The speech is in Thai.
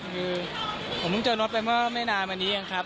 คือผมต้องเจอนัดไปเมื่อไม่นานมานี้อย่างครับ